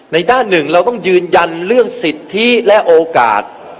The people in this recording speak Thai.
ด้านหนึ่งเราต้องยืนยันเรื่องสิทธิและโอกาส